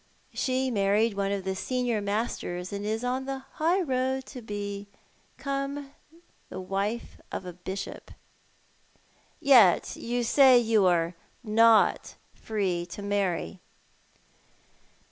She married one of the senior masters, and is on the high road to become wife of a bishop." " Yet you say you are not free to marry